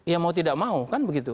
ya mau tidak mau kan begitu